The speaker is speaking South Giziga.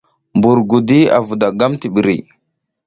Mbur gudi vuɗa gam a ti ɓiri .